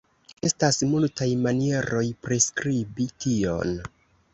Estas multaj manieroj priskribi tion.